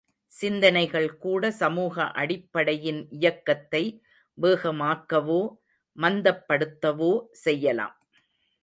சிந்தனைகள்கூட சமூக அடிப்படையின் இயக்கத்தை வேகமாக்கவோ, மந்தப்படுத்தவோ செய்யலாம்.